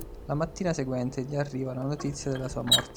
La mattina seguente gli arriva la notizia della sua morte.